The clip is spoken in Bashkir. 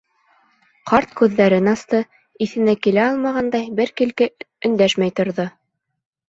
Ҡарт күҙҙәрен асты, иҫенә килә алмағандай, бер килке өндәшмәй торҙо.